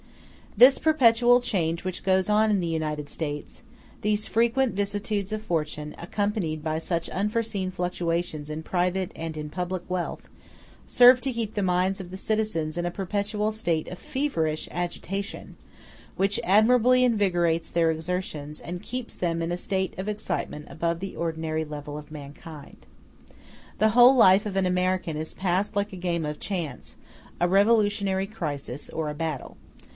This perpetual change which goes on in the United States, these frequent vicissitudes of fortune, accompanied by such unforeseen fluctuations in private and in public wealth, serve to keep the minds of the citizens in a perpetual state of feverish agitation, which admirably invigorates their exertions, and keeps them in a state of excitement above the ordinary level of mankind. The whole life of an American is passed like a game of chance, a revolutionary crisis, or a battle.